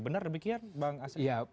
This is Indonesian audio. benar demikian bang asri